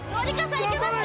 いけますか？